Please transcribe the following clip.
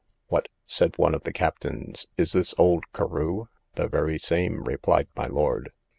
What, said one of the captains, is this old Carew? the very same, replied my lord.